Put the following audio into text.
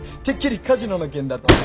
てっきりカジノの件だと。